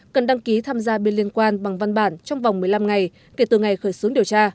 cần đăng ký tham gia bên liên quan bằng văn bản trong vòng một mươi năm ngày kể từ ngày khởi xướng điều tra